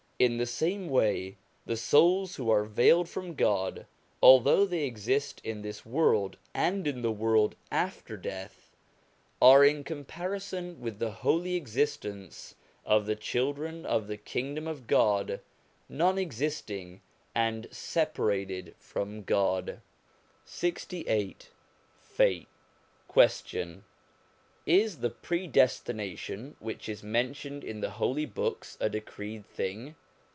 In the same way, the souls who are veiled from God, although they exist in this world and in the world after death, are in comparison with the holy existence of the children of the Kingdom of God, non existing and separated from God. LXVIII FATE Question. Is the predestination which is mentioned in the Holy Books a decreed thing?